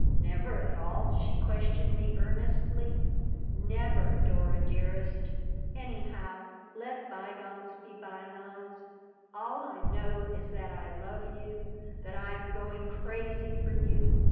"Never at all?" she questioned me, earnestly "Never, Dora dearest. Anyhow, let bygones be bygones. All I know is that I love you, that I am going crazy for you.